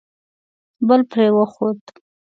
بل پرې وخوت.